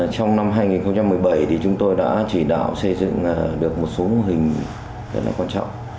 trong năm hai nghìn một mươi bảy thì chúng tôi đã chỉ đạo xây dựng được một số mô hình rất là quan trọng